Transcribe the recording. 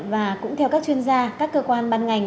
và cũng theo các chuyên gia các cơ quan ban ngành